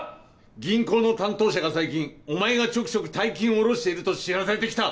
銀行の担当者が最近お前がちょくちょく大金を下ろしていると知らせてきた。